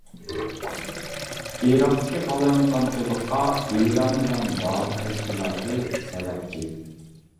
ئىراقتىكى قالايمىقانچىلىققا ئىران بىلەن بازا تەشكىلاتى سەۋەبچى.